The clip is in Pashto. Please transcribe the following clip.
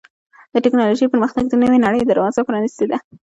د ټکنالوجۍ پرمختګ د نوې نړۍ دروازه پرانستې ده.